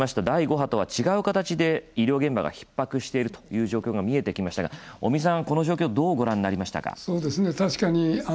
第５波とは違う形で医療現場がひっ迫しているという状況が見えてきましたが尾身さん、この状況どうご覧になりましたか？